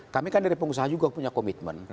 kami kan dari pengusaha juga punya komitmen